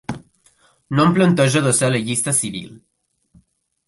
No em plantejo de ser a la llista civil